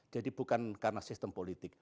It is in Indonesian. jadi bukan karena sistem politik